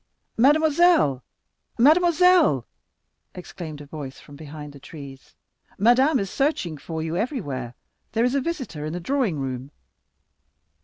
"Mademoiselle, mademoiselle!" exclaimed a voice from behind the trees. "Madame is searching for you everywhere; there is a visitor in the drawing room."